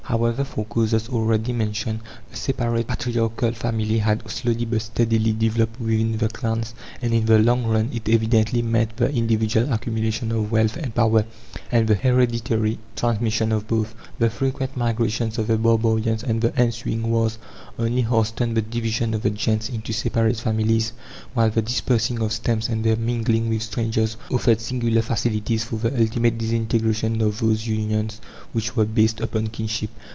However, for causes already mentioned, the separate patriarchal family had slowly but steadily developed within the clans, and in the long run it evidently meant the individual accumulation of wealth and power, and the hereditary transmission of both. The frequent migrations of the barbarians and the ensuing wars only hastened the division of the gentes into separate families, while the dispersing of stems and their mingling with strangers offered singular facilities for the ultimate disintegration of those unions which were based upon kinship.